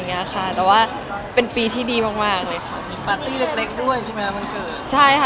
ปุ่นบ้างแต่ว่าเป็นปีที่ดีมากเลยค่ะ